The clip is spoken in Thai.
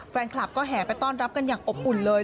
แฟนคลับก็แห่ไปต้อนรับกันอย่างอบอุ่นเลย